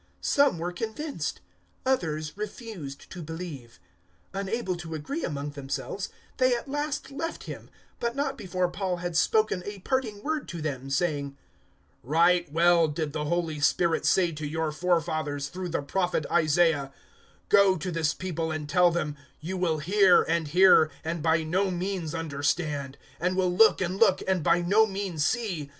028:024 Some were convinced; others refused to believe. 028:025 Unable to agree among themselves, they at last left him, but not before Paul had spoken a parting word to them, saying, "Right well did the Holy Spirit say to your forefathers through the Prophet Isaiah: 028:026 "`Go to this people and tell them, you will hear and hear, and by no means understand; and will look and look, and by no means see.